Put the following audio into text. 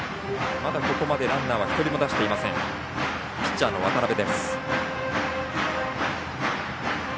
まだここまでランナーは１人も出していませんピッチャーの渡邊。